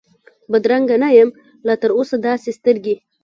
بدرنګه نه یم لا تراوسه داسي سترګې،